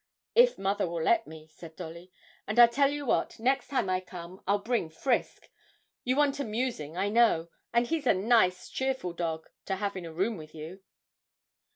'If mother will let me,' said Dolly; 'and I tell you what, next time I come I'll bring Frisk; you want amusing, I know, and he's a nice, cheerful dog to have in a room with you.'